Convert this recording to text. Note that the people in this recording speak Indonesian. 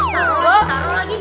ini taruh lagi